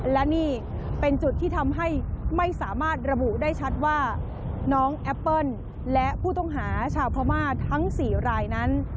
และนี่เป็นจุดที่ทำให้ไม่สามารถระบุได้ชัดว่าน้องแอปเปิ้ลและผู้ต้องหาชาวพม่าทั้ง๔รายนั้น